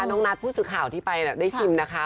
คนน้องนัทผู้สุข่าวที่ไปซิมนะคะ